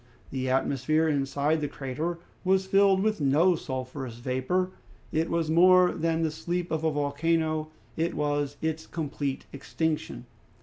The atmosphere inside the crater was filled with no sulphurous vapor. It was more than the sleep of a volcano; it was its complete extinction.